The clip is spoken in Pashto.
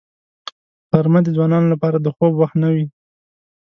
غرمه د ځوانانو لپاره د خوب وخت نه وي